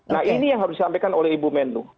nah ini yang harus disampaikan oleh ibu menlu